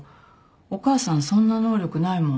お母さんそんな能力ないもん。